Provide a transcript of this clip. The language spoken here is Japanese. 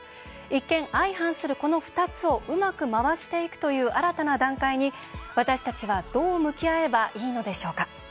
一見、相反するこの２つをうまく回していくという新たな段階に、私たちはどう向き合えばいいのでしょうか。